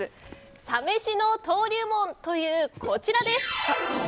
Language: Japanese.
サ飯の登竜門というこちらです。